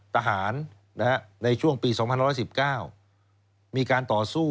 ทหารในช่วงปี๒๑๑๙มีการต่อสู้